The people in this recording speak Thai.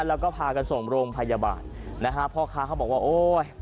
แล้วก็พากันส่งโรงพยาบาลนะฮะพ่อค้าเขาบอกว่าโอ้ย